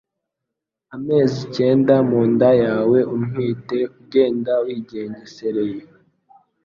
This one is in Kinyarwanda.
Amezi cyenda mu nda yawe Untwite ugenda wigengesereye